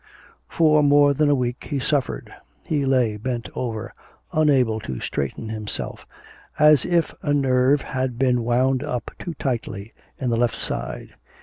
For more than a week he suffered. He lay bent over, unable to straighten himself, as if a nerve had been wound up too tightly in the left side.